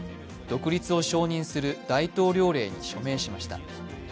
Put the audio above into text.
独立を承認する大統領令に署名しました。